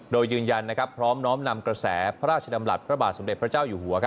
โดยยืนยันพร้อมน้อมนำกระแสพระราชดำรัฐพระบาทสมเด็จพระเจ้าอยู่หัว